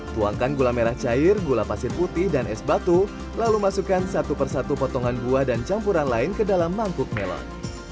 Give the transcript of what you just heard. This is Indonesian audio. tuangkan gula merah cair gula pasir putih dan es batu lalu masukkan satu persatu potongan buah dan campuran lain ke dalam mangkuk melon